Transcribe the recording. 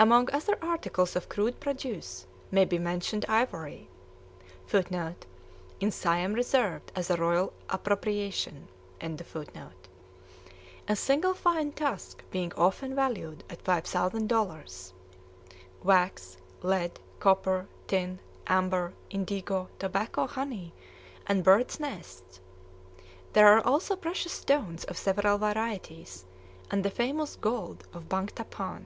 Among other articles of crude produce may be mentioned ivory [Footnote: In Siam reserved as a royal appropriation.] (a single fine tusk being often valued at five thousand dollars), wax, lead, copper, tin, amber, indigo, tobacco, honey, and bird's nests. There are also precious stones of several varieties, and the famous gold of Bhangtaphan.